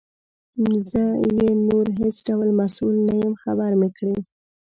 زه یې نور هیڅ ډول مسؤل نه یم خبر مي کړې.